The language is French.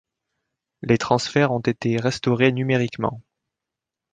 Les transferts ont été restaurés numériquement.